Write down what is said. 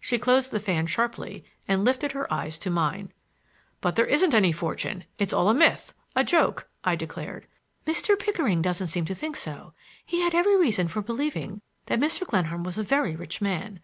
She closed the fan sharply and lifted her eyes to mine. "But there isn't any fortune! It's all a myth, a joke," I declared. "Mr. Pickering doesn't seem to think so. He had every reason for believing that Mr. Glenarm was a very rich man.